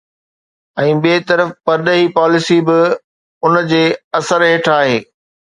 ۽ ٻئي طرف پرڏيهي پاليسي به ان جي اثر هيٺ آهي.